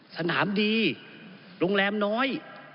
สนามดีโรงแรมน้อย